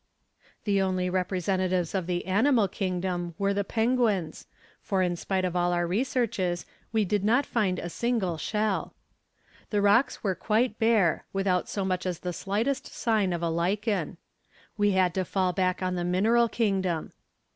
The only representatives of the animal kingdom were the penguins, for in spite of all our researches we did not find a single shell. The rocks were quite bare, without so much as the slightest sign of a lichen. We had to fall back on the mineral kingdom.